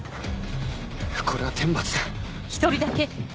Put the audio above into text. これは天罰だ。